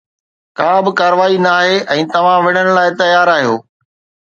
ڪابه ڪارروائي ناهي ۽ توهان وڙهڻ لاء تيار آهيو